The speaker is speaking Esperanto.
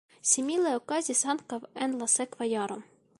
Simile okazis ankaŭ en la sekva jaro.